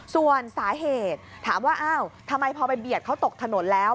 ส่วนสาเหตุถามว่าอ้าวทำไมพอไปเบียดเขาตกถนนแล้ว